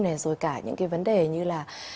rồi cả những cái vấn đề như là